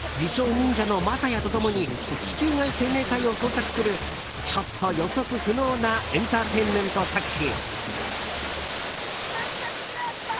忍者のＭＡＳＡＹＡと共に地球外生命体を捜索するちょっと予測不能なエンターテインメント作品。